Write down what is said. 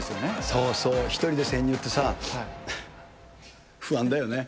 そうそう、１人で潜入ってさ、不安だよね。